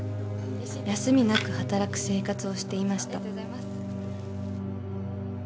［休みなく働く生活をしていました］